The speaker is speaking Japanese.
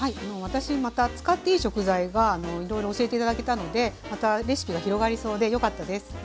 私また使っていい食材がいろいろ教えて頂けたのでまたレシピが広がりそうでよかったです。